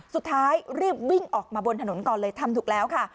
สุดท้ายรีบวิ่งออกมาบนถนนก่อนเลยทำถูกแล้วค่ะ